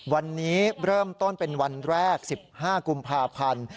วันนี้เริ่มต้นเป็นวันแรก๑๕กุมภาพันธ์